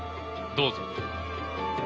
どうぞ。